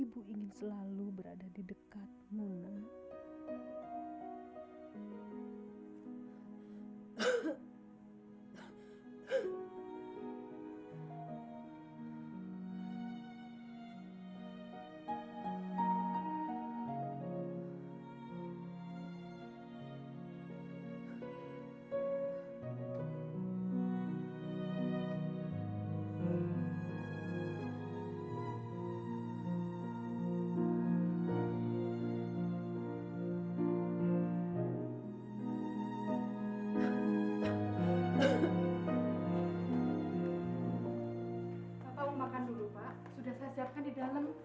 ibu ingin selalu berada di dekatmu lah